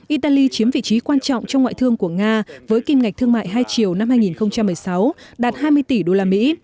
italy chiếm vị trí quan trọng trong ngoại thương của nga với kim ngạch thương mại hai triệu năm hai nghìn một mươi sáu đạt hai mươi tỷ đô la mỹ